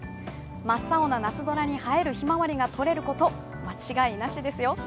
真っ青な夏空に映えるひまわりが撮れること間違いなしですよ。